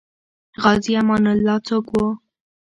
غازي امان الله څوک وو؟